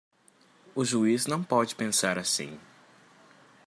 O juiz pode não pensar assim.